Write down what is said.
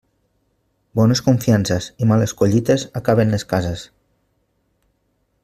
Bones confiances i males collites acaben les cases.